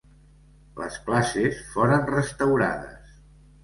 Les classes foren restaurades.